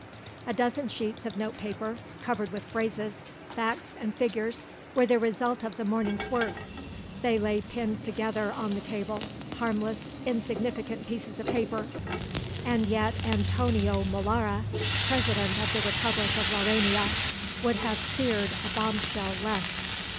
A dozen sheets of note paper, covered with phrases, facts, and figures, were the result of the morning's work. They lay pinned together on the table, harmless insignificant pieces of paper; and yet Antonio Molara, President of the Republic of Laurania, would have feared a bombshell less.